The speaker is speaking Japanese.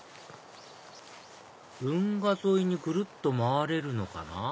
運河沿いにぐるっと回れるのかな？